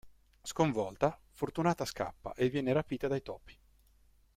Sconvolta, Fortunata scappa e viene rapita dai topi.